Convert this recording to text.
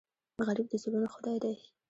غریب د زړونو خدای دی